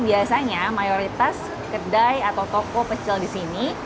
biasanya mayoritas kedai atau toko pecel di sini